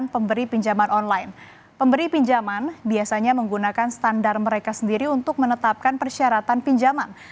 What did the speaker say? pembeli pinjaman biasanya menggunakan standar mereka sendiri untuk menetapkan persyaratan pinjaman